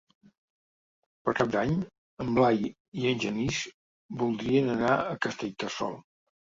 Per Cap d'Any en Blai i en Genís voldrien anar a Castellterçol.